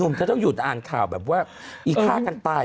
เธอต้องหยุดอ่านข่าวแบบว่าอีฆ่ากันตาย